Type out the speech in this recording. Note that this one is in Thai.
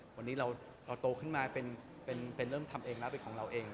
วันนี้เราโตขึ้นมาเป็นเริ่มทำเองแล้วเป็นของเราเอง